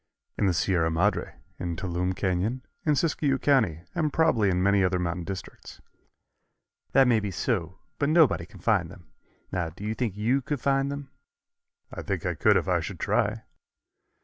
"In the Sierra Madre, in Touloumne Canyon, in Siskiyou County and probably in many other mountain districts." "That may be so, but nobody can find them. Now, do you think you could find them?" "I think I could if I should try."